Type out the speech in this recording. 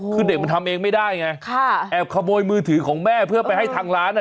คือเด็กมันทำเองไม่ได้ไงแอบขโมยมือถือของแม่เพื่อไปให้ทางร้าน